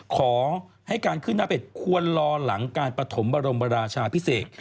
ขอให้การขึ้นหน้าเป็ดควรรอหลังการปฐมบรมราชาพิเศษ